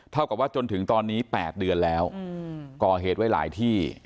เท่ากับว่าจนถึงตอนนี้๘เดือนแล้วก่อเหตุไว้หลายที่